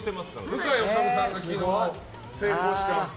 向井理さんが昨日、成功してます。